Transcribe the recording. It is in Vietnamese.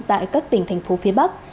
tại các tỉnh thành phố phía bắc